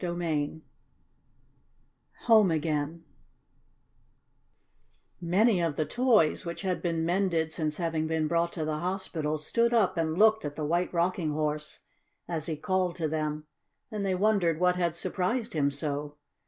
CHAPTER VIII HOME AGAIN Many of the toys, which had been mended since having been brought to the hospital, stood up and looked at the White Rocking Horse as he called to them, and they wondered what had surprised him so.